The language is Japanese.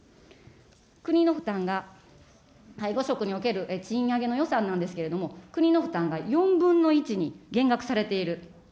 国の負担が介護職における賃上げの予算なんですけど、国の負担が４分の１に減額されている。